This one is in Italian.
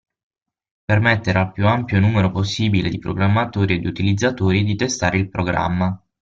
Permettere al più ampio numero possibile di programmatori e di utilizzatori di testare il programma.